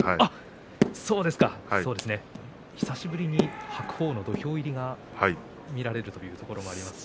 久しぶりに白鵬の土俵入りが見られるということですね。